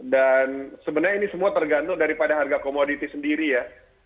dan sebenarnya ini semua tergantung daripada harga komoditi sendiri ya